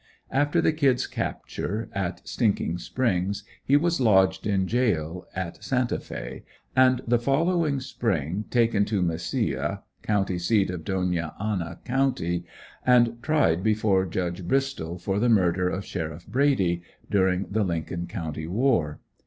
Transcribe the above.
After the "Kid's" capture at Stinking Springs, he was lodged in jail at Santa Fe, and the following spring taken to Mesilla, county seat of Dona Ana county, and tried before Judge Bristol for the murder of Sheriff Brady, during the Lincoln county war.